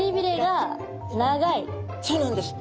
そうなんです。